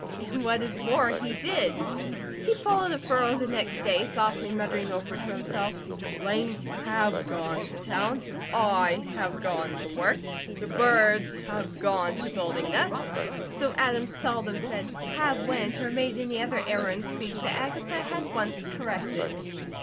And what is more he did. He followed a furrow the next day, softly muttering over to himself: "Langs have gone to town. I have gone to work. The birds have gone to building nests." So Adam seldom said: "have went," or made any other error in speech that Agatha had once corrected.